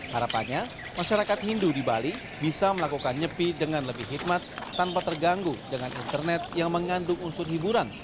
harapannya masyarakat hindu di bali bisa melakukan nyepi dengan lebih hikmat tanpa terganggu dengan internet yang mengandung unsur hiburan